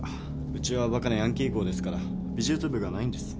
うちはバカなヤンキー校ですから美術部がないんです。